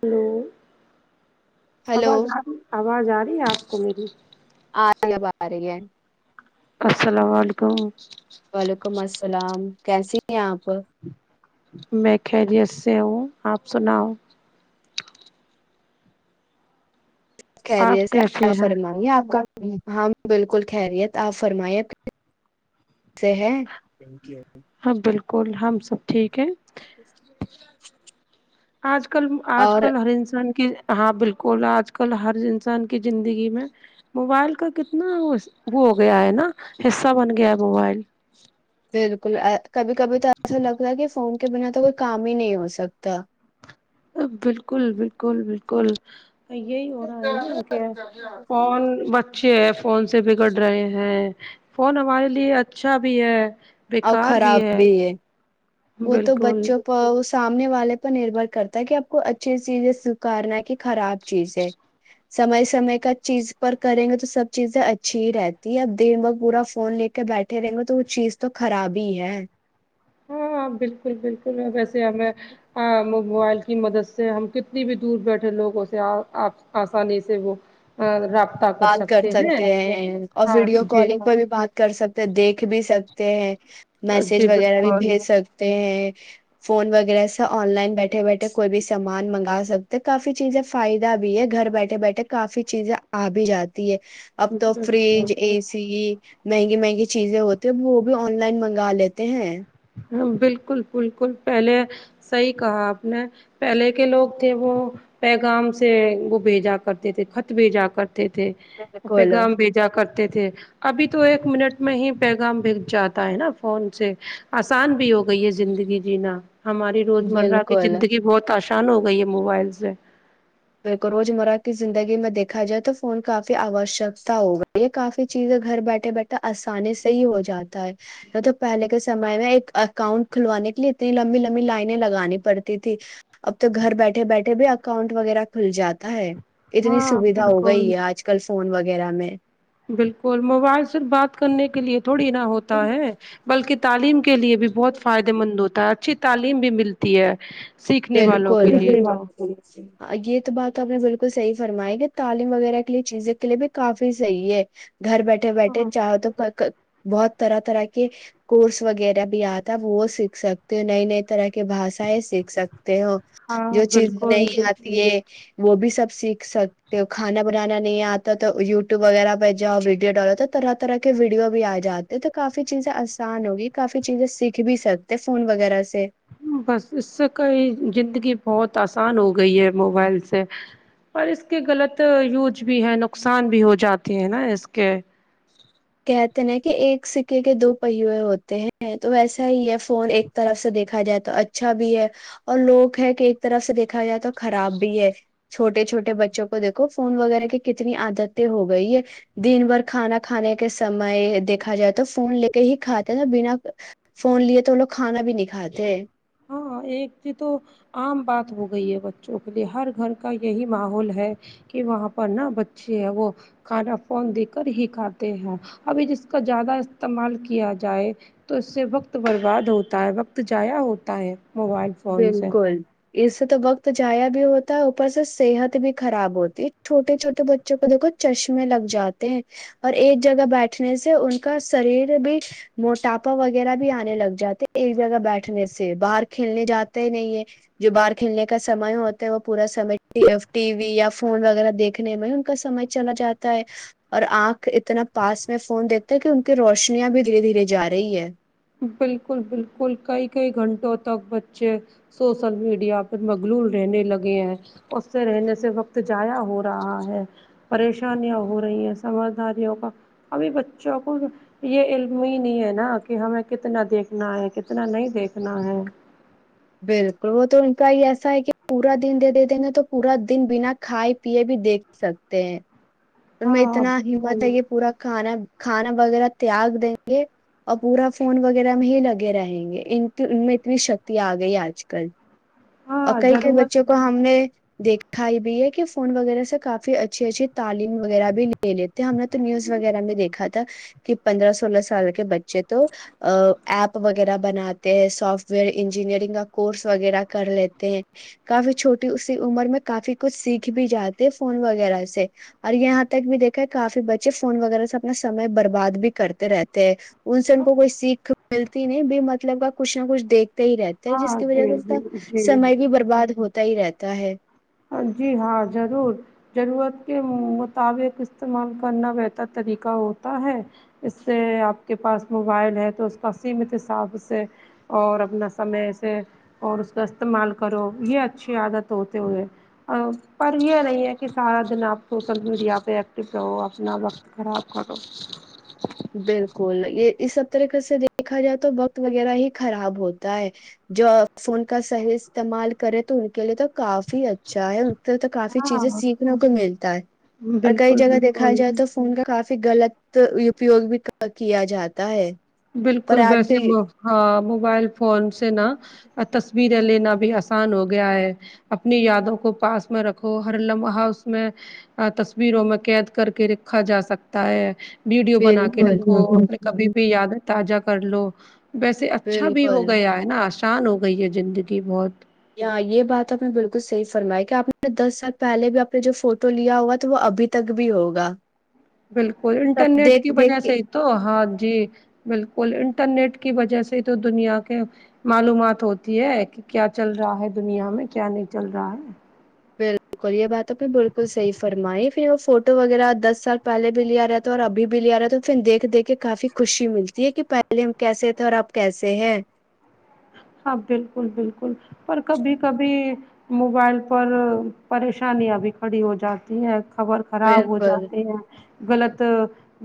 hello hello آواز آ رہی آواز آ رہی آپ ک مری [unintelligible] آگ بار گ [unintelligible] السلام علیکم وعلیکم السلام کیسی ہیں آپ میں کہیا جی سے ہوں آپ سناؤ کیریئر آپ سے کیسے کیا ہیں فرمائ گے آپ کا ہاں بالکل خیریت آپ فرما سے ہے تھینک یوی کول ہم سب ٹھیک ہے آج ک [unintelligible] آج کل آج اور کل ہر انسان کی ہاں بالکل آج کل ہر انسان کی زندگی میں موبائل کا کتنا ہو گیا ہے نا حصہ بن گیا ہے موبائل بالکل ا کبھی کبھی تو ایسا لگتا ہے کہ فون کے بنا تو کوئی کام ہی نہیں ہو سکتا ا بالکل بالکل بالکل یہی ہو رہا ہے نا کہ کون بچے فون سے بگڑ رہے ہیں فون ہمارے لیے اچھا بھی ہے اور خراب بھی ہے وہ تو بالکل بچوں کو اس سامنے والے پر نربر کرتا ہے کہ آپ کو اچھی چیزیں سکارنا ہے کہ خراب چیز ہے سمے سمے کا چیز پر کریں گے تو سب چیزیں اچھی ہی رہتی ہے اب دیر ب پورا فون لے کے بیٹھے رہیں گے تو وہ چیز تو خراب ہی ہے ہاں بالکل بالکل میں ویسے ہمیں مووبائل کی مدد سے ہم کتنی بھی دور بیٹھے لوگ اسے آسانی سے وہ رابطہ بات کر سکتے ہیں اور ہاں ویڈیو جی کالنگ پر بھی بات کر سکتے ہیں دیکھ بھی سکتے ہیں میسج جی وغیرہ بھی بالکل بھیج سکتے ہیں فون وغیرہ سے آن لائن بیٹھے بیٹھے کوئی بھی سامان منگا سکتے کافی چیزیں فائدہ بھی ہے گھر بیٹھے بیٹھے کافی چیزیں آ بھی جات ہے اب تو بالکل فریج اے سی مہنگی مہنگی چیزیں ہوتی ہیں وہ بھی آن لائن منگا لیتے ہیں بالکل بالکل پہلے صحی کہا آپ نے پہلے کے لوگ تھے وہ پیغام سے وہ بھیجا کرتے تھے خط بھیجا کرتے تھے بالکل پیغام بھیجا کرتے تھے ابھی تو ایک منٹ میں ہی پیغام بھیگ جاتا ہے نا فون سے آسان بھی ہو گئی ہے زندگی جینا ہماری روز مرہ کی بالکل زندگی بہت آ ری شان ہو گئی ہے موبائل سے روزمرہ کی زندگی میں دیکھا جائے تو فون کافی آوشکتا ہو گئی یہ کافی چیزیں گھر بیٹھے بیٹھے آسانی سے ہی ہو جاتا ہے نہ تو پہلے کے سمے میں ایک اکاؤنٹ کھلوانے کے لیے اتنی لمبی لمبی لائن لگانی پڑتی تھی اب تو گھر بیٹھے بیٹھے بھی اکاؤنٹ وغیرہ کھل جاتا ہے اتنی ہاں سویدھا ہو بالکل گئی ہے آج کل فون وغیرہ وغیرہ میں بالکل موبائل صر بات کرنے کے لیے تھوڑی نہا ہوتا ہے بلکہ تعلیم کے کے لیے بھی بہت فائے مند ہوتے اچھی تعلیم بھی ملتی ہے سیکھنے والوں بالکل کے لیے تو یہ تو بات آپ نے بالکل صحیح فرمائے گی تعلیم وغیرہ کے لیے چیزیں کے لیے بھی کافی صحیح ہے گھر بیٹھے بیٹھے ہاں چاہو تو بہت طرح طرح کے کورس وغیرہ بھی آتا وہ سیکھ سکتے ہو نئی نئی طرح کی بھاشائیں سیکھ سک ہو ہاں جو چیزیں بالکل نہیں آتی ہے وہ بھی سب سیکھ سکتے ہو کھانا بنانا نہیں آتا تو یوٹیوب وغیرہ پہ جاؤ ویڈیو ڈالوتا طرح طرح کے ویڈیو بھی آ جاتے تو کافی چیزیں آسان ہوگی کافی چیزیں سیکھ بھی سکتے فون وغیرہ سے بس اس سے کا یہ زندگی بہت بت آسان ہو گئی ہے موبائل سے اور اس کے غلط یوج بھی ہے نقصان بھی ہو جاتے ہیں نا اس کے کہتے ن کہ ایک سکے کے دو پہیئے ہوتے ہیں تو ویسا ہی ہے فون ایک طرف سے دیکھا جائے تو اچھا بھی ہے اور لوگ ہے کہ ایک طرف سے دیکھا جائے تو خراب بھی ہے چھوٹے چھوے ہاں بچوں کو دیکو فون وغیرہ کی کتنی عادتیں ہو گئی ہے دن بھر کھانا کھانے کے سمے دیکھا جائے تو فون لے کے ہی کھاتے ہیں نا بنا فون لیے تو وہ لوگ کھانا بھی نہیں کھاتے ہاں ایک ج تو عام بات ہو گئی ہے بچوں کے لیے ہر گھر کا یہی ماحول ہے کہ وہاں پر نا بچے ہیں وہ کھانا فون دے کر ہی کھاتے ہیں ابھی جس کا زیادہ استعمال کیا جائے تو اس سے وقت برباد ہوتا ہے وقت جضایا ہو دائیں موبائل فون سے بالکل اس سے تو وقت جایا بھی ہوتا ہے اوپر سے صحت بھی خراب ہوتی چھوٹے چھوٹے بچوں کو دیکھو چشمے لگ جاتے ہیں اور ایک جگہ بیٹھنے سے ان کا شریر بھی موٹاپا وغیرہ بھی آنے لگ جاتے ایک جگہ بیٹھنے سے باہر کے کھیلنے جاتے ہی نہیں ہے جو باہر کھیلنے کا سمے ہوتا ہے وہ پورا سم ٹی وی یا فون وغیرہ دیکھنے میں ہی ان کا سمے چلا جاتا ہے اور آنکھ اتنا پاس میں فون دیکھتے کہ ان کی روشنیاں بھی دھیرے دھیرے جا رہی ہے بالکل بالکل کئی کئی گھنٹوں تک بچے سوشل میڈیا پر مغلول رہنے لگے ہیں اس سے رہنے سے وقت جضایا ہو رہا ہے پریشانیاں ہو رہی ہیں سمجھداریوں کا ابھی بچوں کو یہ علم ہی نہیں ہے نا کہ کہ ہمیں کتنا دیکھنا ہے کتنا نہیں دیکھنا ہے بالکل وہ تو ان کا یہ ایسا ہے کہ پورا دن دے دیتےنے تو پورا دن بنا کھائے پیئے بھی دیکھ سکتے ہیں ان میں ہاں اتنا ہمت بالکل ہے یہ پورا کھانا کھانا وغیرہ تیاگ دیں گے اور پورا فون وغیرہ میں ہی لگے رہیں گے ان ان میں اتنی شکتی آ گئی آج کل اور ہاں کئی کئی ضرورت بچوں کو ہم نے دیکھا ہے بھی ایک فون وغیرہ سے کاف اچھی اچھی تعلیم وغہ بھی لے لیتے ہم نے تو نیوز وغیرہ میں دیکھا تھا کہ پندرہ سولہ سال کے بچے تو ایپ وغیرہ بناتے ہیں سافٹ ویئر انجینئرنگ کا کورس وغیرہ کر لیتے ہیں کافی چھوٹی اسی عمر میں کافی کچھ سیکھ بھی جاتے ہیں فون وغیرہ سے اور یہاں تک بھی دیکھا ہے کافی بچے فون وغیرہ سے اپنا سمے برباد بھی کرتے رہتے ہیں ان سے ان کوئی سیکھ ملتی نہیں بھی مطلب کا کچھ نہ کچھ دیکھ ہی رہتے ہیں جس ہاں کی وجہ جی سےب جی جی سمے بھی برباد ہوتا ہی رہتا ہے جی ہاں ضرور ضرورت کے مطابق استعمال کرنا بہتر طریقہ ہوتا ہے اس سے آپ کے پاس موبائل ہے تو اس کا سیمت حساب سے اور اپنا سمے سے اور اس کا استعمال کرو یہ اچھی عادت ہوتے ہوئے پر یہ نہیں ہے کہ سارا دن آپ سوشل میڈیا پہ ایکٹو رہو اپنا وقت خراب کرو بالکل یہ اس سب طریقے سے دیکھا جائے تو وقت وغیرہ ہی خراب ہوتا ہے جو فون کا صحیح استعمال کرے تو ان کے لیے تو کافی اچھا ہے تو کافی چیزیں ہاں سیکھنے کو ملتا ہے اور کئی بالکل جگہ دیکھا بالکل جائے تو فون کا کافی غلط اپیوگ بھی کیا جاتا ہے پر بالکل آج ویسے کے ہاں موبائل فون سے نا تصویریں لینا بھی آسان ہوگا گیا ہے اپنی یادوں کو پاس میں رکھو ہر لمحہ اس میں تصویروں میں قید کر کے رکھا جا سکتا ہے ویڈیو بنا کے بالکل رکھو اپنے کبھی بھی یاد جا کر لو ویسے اچھا بھی ہو بالکل گیا ہے نا آ آسان ہو گئی ہے زندگی بہت ہاں یہ بات آپ نے بالکل صحیح فرمیا کہ آپ نے دس سال پہلے بھی اپ نے جو فوٹو لیا ہوا تو وہ ابھی تک بھی ہوگا بالکل سب انٹرنیٹ کی دیکھ وجہ دیکھ کے سے ہی تو ہاں جی بالکل انٹرنیٹ کی وجہ سے تو دنیا کے معلومات ہوتی ہے کہ کیا چل رہا ہے دنیا میں کیا نہیں چل رہا ہے بالکل یہ بات نے بالکل صحیح فرمائی پھر وہ فوٹو وغیرہ دس سال پہلے بھی لے آ رہا تھا اور ابھی بھی لے آ رہا تھا پھر دیکھ دیکھ کے کافی خوشی ملتی ہے کہ پہلے ہم کیسے تھے اور اب کیسے ہیں ہاں بالکل بالکل پر کبھی کبھی موبائل پر پریشانیاں بھی کھڑی ہو جاتی ہیں خبر خراب ہو بالکل جاتے ہیں غلط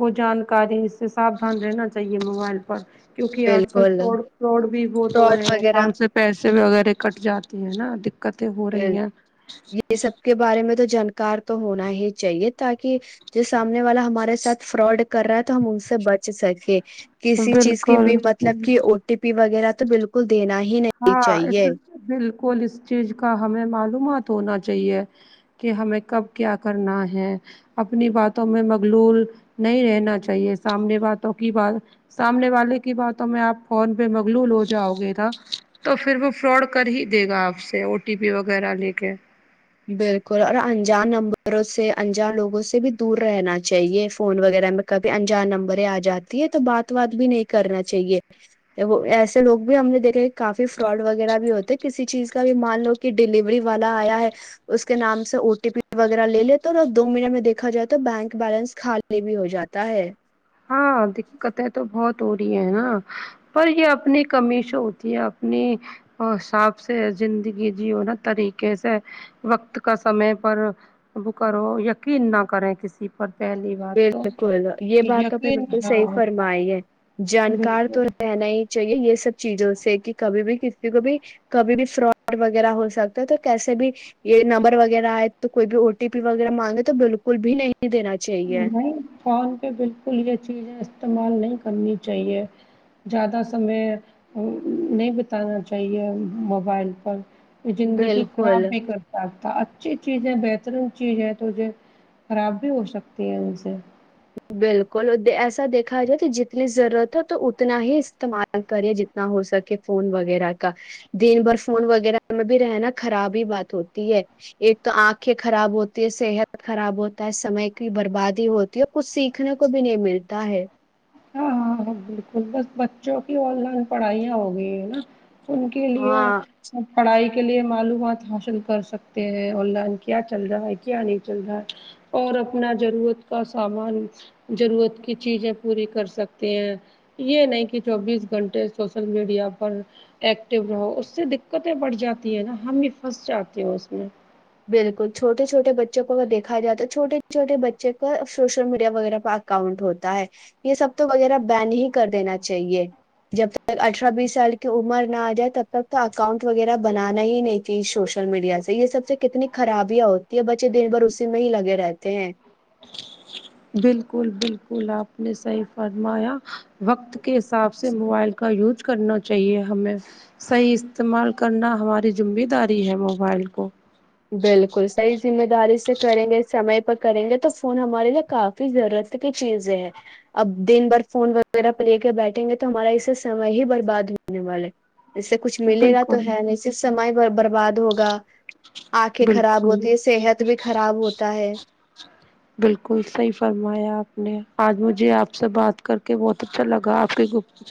وہ جانکاری اس سے ساابدھان رہنا چاہیے موبائل پر کیونکہ آج کل بالکل فراڈ فراڈ بھی بہت تو فراڈ وغیرہ اکاؤنٹ سے پیسے وغیرہ کٹ جاتی ہے نا قتیں ہو رہی ہیں یہ سب کے بارے میں تو جانکار تو ہونا ہی چاہیے تاکہ جو سامنے والا ہمارے ساتھ فراڈ کر رہا ہے تو ہم ان سے بچ سکے کسی چیز کی بالکل بھی مطلب کی او ٹی پی وغیرہ وغیرہ تو بالکل دینا ہی نہیں ہاں اس چاہیے بالکل اس چیز کا ہمیں معلومات ہونا چاہیے کہ ہمیں کب کیا کرنا ہے اپنی باتوں میں مغلول نہیں رہنا چاہیے سامنے باتوں کی بات سامنے والے کی باتوں میں آپ فون پہ مغلول ہو جاؤ گے تو پھر وہ فراڈ کر ہی دے گا آپ سے او ٹی پی وغیرہ لے کے بالکل اور انجان نمبروں سے انجان لوگوں سے بھی دور رہنا چاہیے فون وغیرہ میں کبھی انجان نمبر آ جاتی ہے تو بات وات بھی نہیں کرنا چاہیے وہ ایسے لوگ بھی ہم نے دیکھا کافی فراڈ وغیرہ بھی ہوتے کسی چیز کا بھی مان لو کہ ڈیلیوری والا آیا ہے اس کے نام سے او ٹی پی وغیرہ لے لیتے اور ا دو منٹ میں دیکھا جائے تو بینک بیلنس خالی بھی ہو جاتا ہے ہاں دقتیں تو بہت وری ہے نا پر یہ اپنی کمیش ہوتی ہے اپنی حساب سے زندگی جیو نا طریقے سے وقت کا سمے پر ب کرو یقین نہ کریں کسی پر پہلی ب بات تو بالکل یہ بات نے یقین بالکل صحی ہاں فرمائی ہے جانکار بالکل تو رہنا ہی چاہیے یہ سب چیزوں سے کہ کبھی بھی کسی کو بھی کبھی بھی فراڈ وغیرہ ہو سکتا ہے تو کیسے بھی یہ نمبر وغیرہ آ تو کوئی بھی او ٹی پی وغیرہ مانگے تو بالکل بھی نہیں دینا چاہیے نہیں فون پہ بالکل ہی چیز ہے استعمال نہیں کرنی چاہیے زیادہ سمے نہیں بتانا چاہیے موبائل پر زندگی بالکل خراب بھی کرتاک تھا اچھی چیزیں بت چیز ہے تو خراب بھی ہو سکتا پ ع سے بالکل ایسا دیکھا جائے تو جتنی ضرورت ہو تو اتنا ہی استعمال کرے جتنا ہو سکے فون وغیرہ کا دن بھر فون وغیرہ میں بھی رہنا خراب ہی بات ہوتی ہے ایک تو آنکھیں خراب ہوتی ہے صحت خراب ہوتا ہے سمے کی بربادی ہوتی کچھ سیکھنے کو بھی نہیں ملتا ہے ہاں ہاں ہاں بالکل بس بچوں کی آن لائن پڑھائییا ہوگئی ہے نا ان کے ہاں لیے پڑھائی کے لیے معلومات حاصل کر سکتے ہیں آن لائن کیا چل رہا ہے کیا نہیں چل رہا ہے اور اپنا ضرورت کا سامان ضرورت کی چیزیں پوری کر سکتے ہیں یہ نہیں کہ چوبیس گھنٹے سوسل میڈیا پر ایکٹیو رہو اس سے دقتیں بڑھ جاتی ہیں نا ہم ہی پھنس جاتے ہیں اس میں بالکل چھوٹے چھوٹے بچوں کو اگر دیکھا جائے تو چھٹے چھوٹے بچے کا سوشل میڈیا وغیرہ پ اکاؤنٹ ہوتا ہے یہ سب تو وغیرہ بین ہی کر دینا چاہیے جب سے اٹھارہ بیس سال کی عمر آ جائے تب تک تو اکاؤنٹ وغیرہ بنانا ہی نہیں تھی سوشل میڈیا سے یہ سب سے کتنی خرابیاں ہوتی ہے بچے دن بھر اسی میں ہی لگے رہتے ہیں بالکل بالکل آپ نے صحیح فرمایا وقت کے حساب سے موبائل کا یوج کرنا چاہیے ہمیں صحیح استعمال کرنا ہماری ذمہ داری ہے موبائل کو بالکل صحیح ذمہ داری سے کریں گے سمے کریں گے تو فون ہمارے لیے کافی ضرورت کی چیزیں ہے اب دن بھر فون وغیرہ پہ لے کے بیٹھیں گے تو ہمارا اسے سمے ہی برباد ہونے والا اس سے کچھ ملے گا تو بالکل ہے نہیں صرف سمے برباد ہوگا آنکھیں خراب بالکل ہوتی ہے صحت بھی خراب ہوتا ہے بالکل سحی فرمایا آپ نے آج مجھے آپ سے بات کر کے بہت اچھا لگا آپ کے گت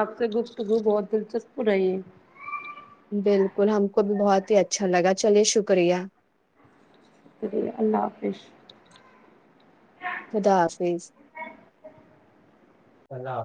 آپ سے گپتگو بہت دلچسپ رہی بالکل ہم کو بھی بہت ہی اچھا لگا چلیے شکریہ شری اللہ حافظ خدا حافظلہ حاظ